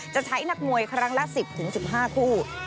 จะใช้นักมวยครั้งละ๑๐๑๕คู่